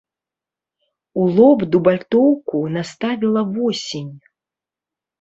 У лоб дубальтоўку наставіла восень.